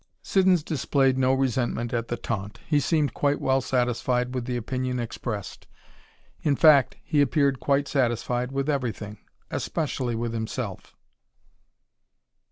Siddons displayed no resentment at the taunt; he seemed quite well satisfied with the opinion expressed. In fact, he appeared quite satisfied with everything especially with himself.